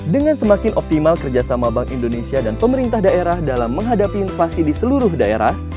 dengan semakin optimal kerjasama bank indonesia dan pemerintah daerah dalam menghadapi invasi di seluruh daerah